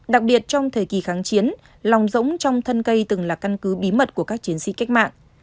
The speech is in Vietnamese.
đặc biệt trong thời kỳ kháng chiến lòng rỗng trong thân cây từng là căn cứ bí mật của các chiến sĩ cách mạng